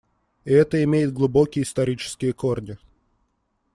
И это имеет глубокие исторические корни.